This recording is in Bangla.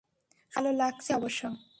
শুনতে ভালো লাগছে অবশ্য।